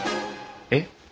えっ？